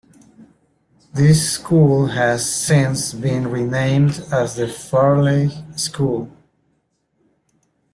This school has since been renamed as the Farleigh School.